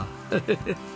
フフフ。